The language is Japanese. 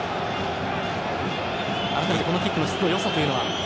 改めてこのキックの質の良さというのは。